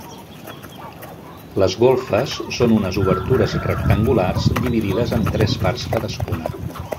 Les golfes són unes obertures rectangulars dividides en tres parts cadascuna.